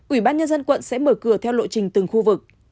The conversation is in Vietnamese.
ubnd quận sẽ mở cửa theo lộ trình từng khu vực